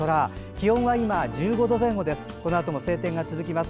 気温は今１５度前後です。